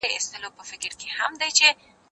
دا سپينکۍ له هغه پاکه ده؟